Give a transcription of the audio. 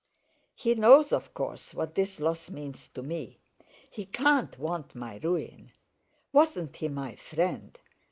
"He knows of course what this loss means to me. He can't want my ruin. Wasn't he my friend?